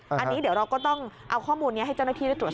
อันนี้เดี๋ยวเราก็ต้องเอาข้อมูลนี้ให้เจ้าหน้าที่ได้ตรวจสอบ